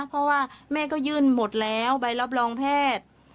เพราะว่าแม่ก็ยื่นหมดแล้วใบรับรองแพทย์